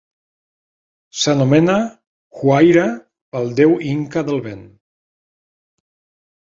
S'anomena Huayra pel déu inca del vent.